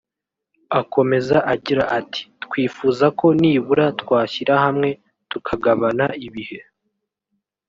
Akomeza agira ati "Twifuza ko nibura twashyira hamwe tukagabana ibihe